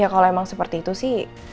kalau emang seperti itu sih